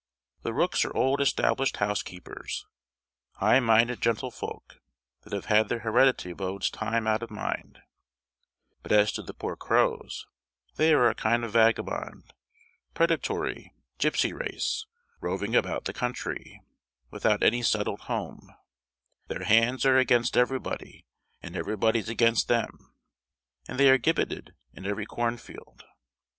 The rooks are old established housekeepers, high minded gentlefolk that have had their hereditary abodes time out of mind; but as to the poor crows, they are a kind of vagabond, predatory, gipsy race, roving about the country, without any settled home; "their hands are against everybody, and everybody's against them," and they are gibbeted in every corn field.